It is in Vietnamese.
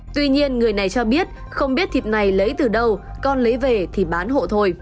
tuy nhiên người này cho biết không biết thịt này lấy từ đâu con lấy về thì bán hộ thôi